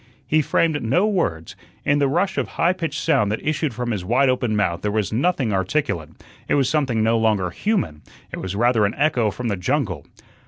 He framed no words; in the rush of high pitched sound that issued from his wide open mouth there was nothing articulate. It was something no longer human; it was rather an echo from the jungle.